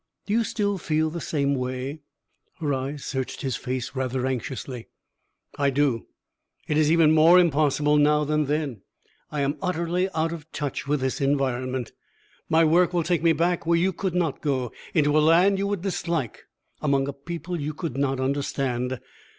"Do you still feel the same way?" Her eyes searched his face rather anxiously. "I do! It is even more impossible now than then. I am utterly out of touch with this environment. My work will take me back where you could not go into a land you would dislike, among a people you could not understand.